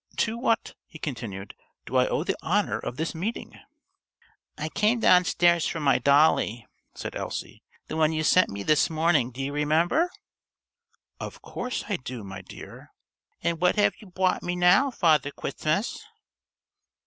"To what," he continued, "do I owe the honour of this meeting?" "I came downstairs for my dolly," said Elsie. "The one you sent me this morning, do you remember?" "Of course I do, my dear." "And what have you bwought me now, Father Kwistmas?"